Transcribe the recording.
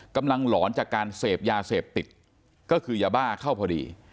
หลอนจากการเสพยาเสพติดก็คือยาบ้าเข้าพอดี